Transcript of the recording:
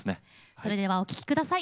それではお聴き下さい。